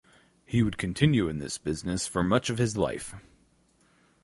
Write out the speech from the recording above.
He would continue in this business for much of his life.